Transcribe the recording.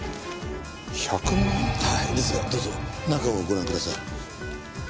ですがどうぞ中をご覧ください。